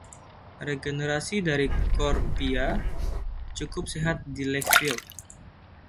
Regenerasi dari Corpyha cukup sehat di Lakefield.